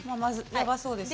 やばそうですね。